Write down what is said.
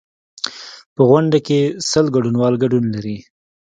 په غونډه کې سل ګډونوال ګډون لري.